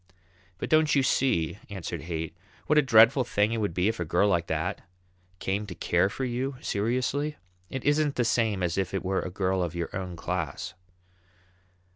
"But don't you see," answered Haight, "what a dreadful thing it would be if a girl like that came to care for you seriously? It isn't the same as if it were a girl of your own class."